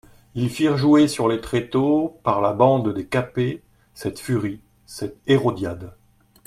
Ils firent jouer sur les tréteaux par la bande des Cappets, cette furie, cette Hérodiade.